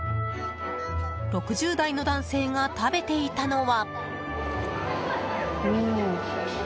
６０代の男性が食べていたのは。